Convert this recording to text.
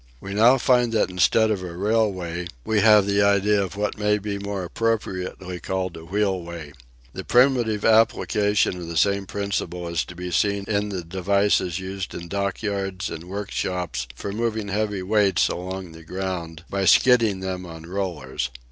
We now find that instead of a railway we have the idea of what may be more appropriately called a "wheelway". The primitive application of the same principle is to be seen in the devices used in dockyards and workshops for moving heavy weights along the ground by skidding them on rollers.